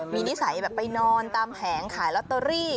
มีนิสัยแบบไปนอนตามแผงขายลอตเตอรี่